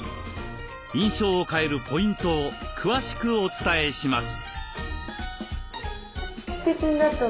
印象を変えるポイントを詳しくお伝えします。